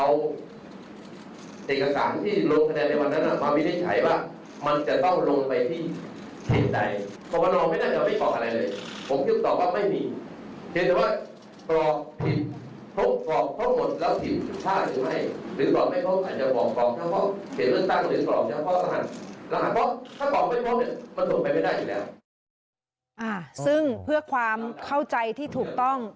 ซึ่งเพื่อความเข้าใจที่ถูกต้อง